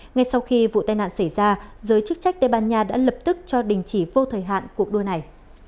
ngay sau khi vụ tai nạn xảy ra giới chức trách tây ban nha đã lập tức cho đình chỉ vô thời hạn cuộc đua này